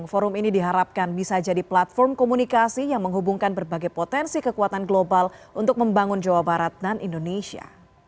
forum ini diharapkan bisa jadi platform komunikasi yang menghubungkan berbagai potensi kekuatan global untuk membangun jawa barat dan indonesia